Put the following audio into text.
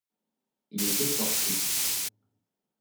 Il était fort triste.